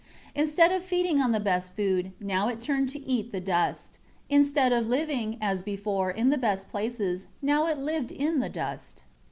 Instead of feeding on the best food, now it turned to eat the dust. Instead of living, as before, in the best places, now it lived in the dust.